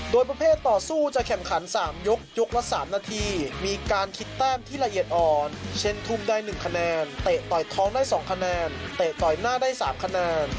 โดยประเภทต่อสู้จะแข่งขัน๓ยกยกละ๓นาทีมีการคิดแต้มที่ละเอียดอ่อนเช่นทุ่มได้๑คะแนนเตะต่อยท้องได้๒คะแนนเตะต่อยหน้าได้๓คะแนน